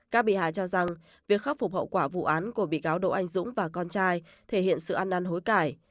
các bị hại cho rằng việc khắc phục hậu quả vụ án của bị cáo đỗ anh dũng và con trai thể hiện sự ăn năn hối cải